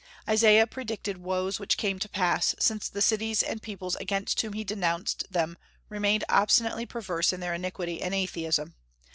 Isaiah predicted woes which came to pass, since the cities and peoples against whom he denounced them remained obstinately perverse in their iniquity and atheism.